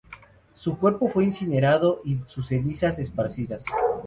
Su cuerpo fue incinerado, y sus cenizas esparcidas.